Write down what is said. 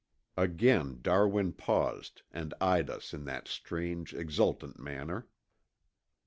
Again Darwin paused and eyed us in that strange exultant manner.